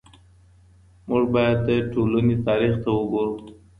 موږ بايد د ټولني تاريخ ته وګورو.